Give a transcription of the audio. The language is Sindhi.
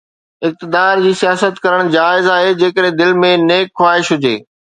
اقتدار جي سياست ڪرڻ جائز آهي، جيڪڏهن دل ۾ نيڪ خواهش هجي.